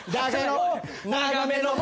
長めの棒。